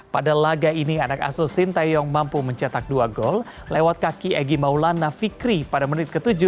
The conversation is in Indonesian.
pada laga ini anak asuh sintayong mampu mencetak dua gol lewat kaki egy maulana fikri pada menit ke tujuh